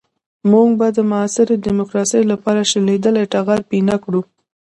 موږ به د معاصرې ديموکراسۍ لپاره شلېدلی ټغر پينه کړو.